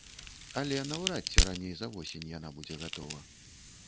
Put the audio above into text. Але наўрад ці раней за восень яна будзе гатова.